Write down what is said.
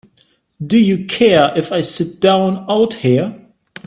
Do you care if I sit down out here?